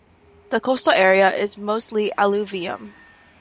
The coastal area is mostly alluvium.